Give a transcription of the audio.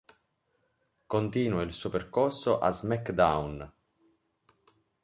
Continua il suo percorso a "SmackDown!